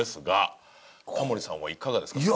タモリさんはいかがですか？